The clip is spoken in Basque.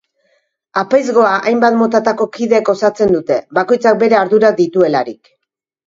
Apaizgoa hainbat motatako kideek osatzen dute, bakoitzak bere ardurak dituelarik.